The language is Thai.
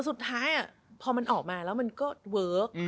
สุดท้ายพอมันออกมาแล้วมันก็เวิร์ค